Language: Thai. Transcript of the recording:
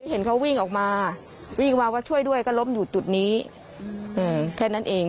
เห็นเขาวิ่งออกมาวิ่งมาว่าช่วยด้วยก็ล้มอยู่จุดนี้แค่นั้นเอง